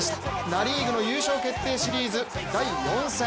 ナ・リーグの優勝決定シリーズ第４戦。